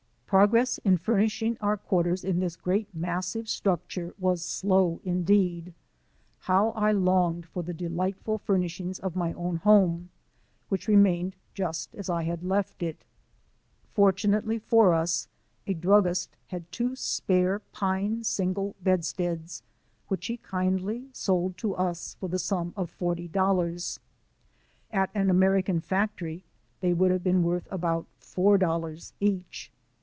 • Progress in furnishing our quarters in this great massive structure was slow indeed. How I longed for the delightful furnishings of my own home, which remained just as I had left it. Fortunately for us, a druggist had two spare, pine single bedsteads, which he kindly sold to us for the sum of forty dollars. At an American factory they would have been worth about four dollars each.